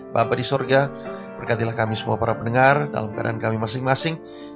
bapak di sorga berkatilah kami semua para pendengar dalam keadaan kami masing masing